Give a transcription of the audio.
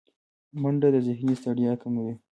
منډه د ذهني ستړیا کموي